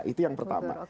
itu yang pertama